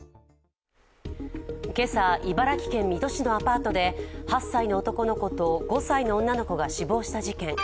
今朝、茨城県水戸市のアパートで８歳の男の子と５歳の女の子が死亡した事件。